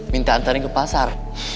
minta antarin ke pasar